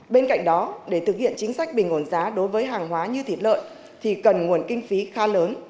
bên cạnh đó để thực hiện chính sách bình ổn giá đối với hàng hóa như thịt lợn thì cần nguồn kinh phí khá lớn